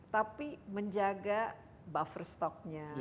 tapi menjaga buffer stocknya